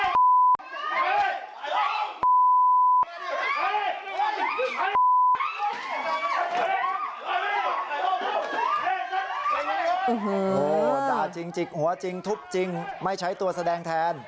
โอ้โหด่าจริงจิกหัวจริงทุบจริงไม่ใช้ตัวแสดงแทน